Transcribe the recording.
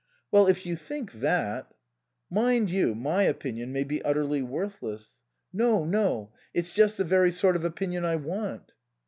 " Well, if you think that "" Mind you, my opinion may be utterly worth less." " No, no. It's just the very sort of opinion I want."